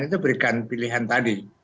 itu berikan pilihan tadi